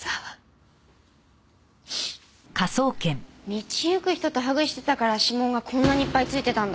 道行く人とハグしてたから指紋がこんなにいっぱい付いてたんだ。